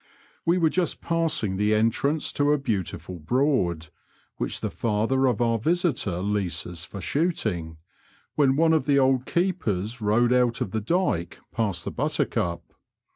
We were just passing the entrance to a beautiful Broad, which the father of our visitor leases for shooting, when one of the old keepers rowed out of the dyke past the Buttercup.